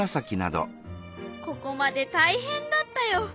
ここまで大変だったよ。